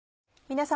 皆様。